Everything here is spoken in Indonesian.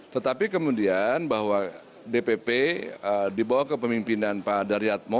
tetapi kemudian bahwa dpp dibawa ke pemimpinan pak daryatmo